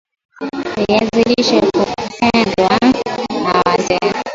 Viazi lishe hupendwa na wazee